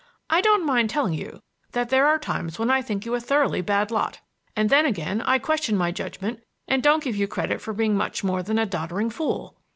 I don't mind telling you that there are times when I think you a thoroughly bad lot, and then again I question my judgment and don't give you credit for being much more than a doddering fool."